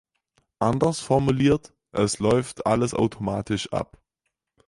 Anders formuliert: Es läuft alles automatisch ab.